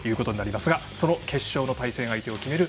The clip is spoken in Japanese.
その決勝の対戦相手を決める